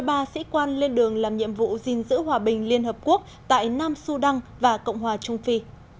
ba sĩ quan lên đường làm nhiệm vụ gìn giữ hòa bình liên hợp quốc tại nam sudan và cộng hòa trung phi